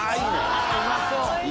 うまそう！